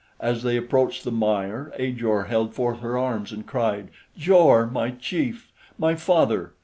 As they approached the mire, Ajor held forth her arms and cried, "Jor, my chief! My father!"